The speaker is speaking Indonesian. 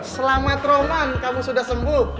selamat roman kamu sudah sembuh